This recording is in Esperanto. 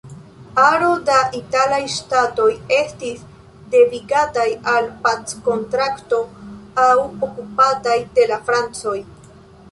Aro da italaj ŝtatoj estis devigataj al packontrakto aŭ okupataj de la francoj.